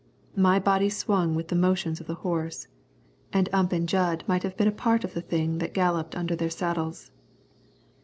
My body swung with the motions of the horse, and Ump and Jud might have been a part of the thing that galloped under their saddles.